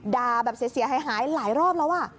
แบบเสียหายหลายรอบแล้ว